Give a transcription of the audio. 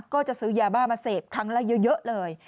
ก็จะซื้อยาบ้ามาเสพครั้งละเยอะเลย